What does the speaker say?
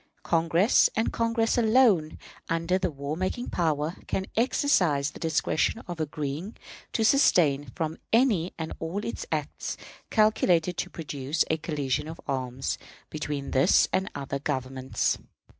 Congress, and Congress alone, under the war making power, can exercise the discretion of agreeing to abstain 'from any and all acts calculated to produce a collision of arms' between this and other governments.